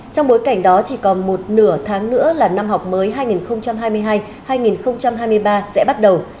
trong bối cảnh đó chỉ còn một nửa tháng nữa là năm học mới hai nghìn hai mươi hai hai nghìn hai mươi ba sẽ bắt đầu